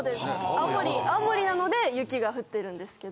青森青森なので雪が降ってるんですけど。